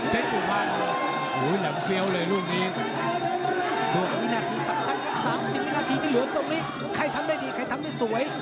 เป็นชุดพันธุ์โหน้ำเฟี้ยวเลยลูกนี้